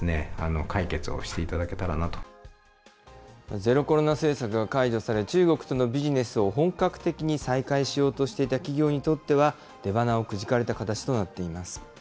ゼロコロナ政策が解除され、中国とのビジネスを本格的に再開しようとしていた企業にとっては、出鼻をくじかれた形となっています。